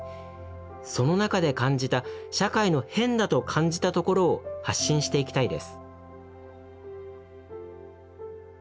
その中で感じた社会の変だと感じたところを発信していきたいです」。